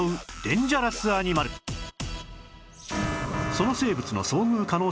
その生物の遭遇可能性